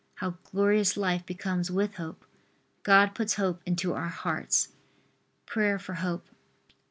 How glorious life becomes with hope! God puts hope into our hearts. PRAYER FOR HOPE.